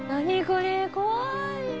これ怖い。